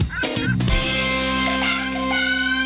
ไข่เยอะ